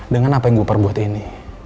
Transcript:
dengan apa yang gue perbuat ini